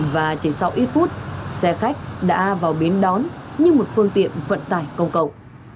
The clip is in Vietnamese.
và chỉ sau ít phút xe khách đã vào bến đón như một phương tiện vận tải công cộng